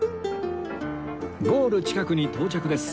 ゴール近くに到着です